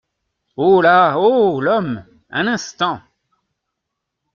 Holà ! oh ! l’homme !… un instant !